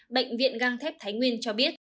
bệnh viện găng thép thái nguyên cho biết